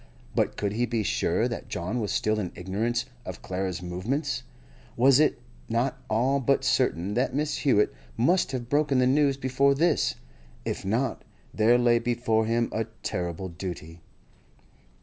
But could he be sure that John was still in ignorance of Clara's movements? Was it not all but certain that Mrs. Hewett must have broken the news before this? If not, there lay before him a terrible duty.